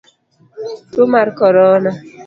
Tuo mar korona.